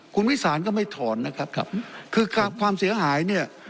คุณวิสานก็ไม่ถอนนะครับครับคือความเสียหายเนี่ย